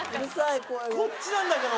こっちなんだから！